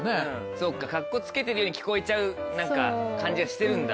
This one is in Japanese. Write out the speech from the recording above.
そうかカッコつけてるように聞こえちゃう感じがしてるんだ。